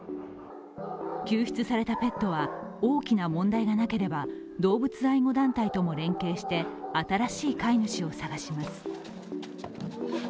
救出されたペットは大きな問題がなければ動物愛護団体とも連携して新しい飼い主を探します。